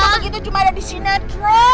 hantu begitu cuma ada di sinetron